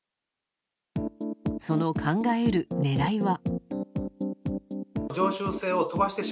その考え得る狙いは。